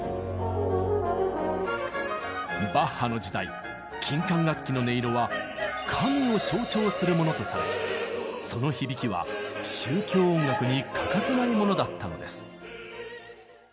バッハの時代金管楽器の音色は神を象徴するものとされその響きは宗教音楽に欠かせないものだったのです。